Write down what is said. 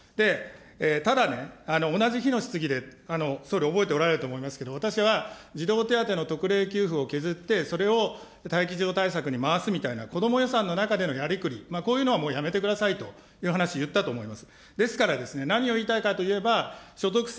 ただね、同じ日の質疑で、総理、覚えておられると思いますけれども、私は児童手当の特例給付を削って、それを待機児童対策に回すみたいな、こども予算の中でのやりくり、こういうのはもうやめてくださいという話言ったと思います。